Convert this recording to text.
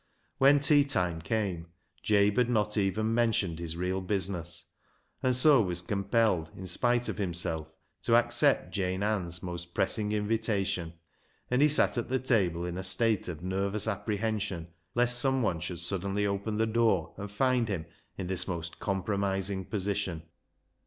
When tea time came Jabe had not even mentioned his real business, and so was compelled, in spite of himself, to accept Jane Ann's most pressing invitation, and he sat at the table in a state of nervous apprehension lest someone should suddenly open the door and find him in this most compromising position.